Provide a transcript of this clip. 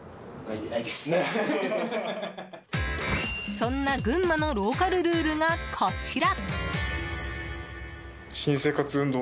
そんな群馬のローカルルールがこちら。